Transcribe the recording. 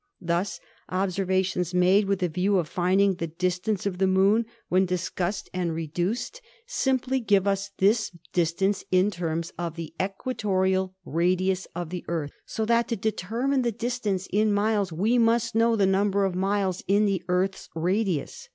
Thus observations made with a view of find ing the distance of the Moon, when discussed and reduced, THE EARTH 151 simply give us this distance in terms of the equatorial radius of the Earth, so that to determine the distance in miles we must know the number of miles in the Earth's radius.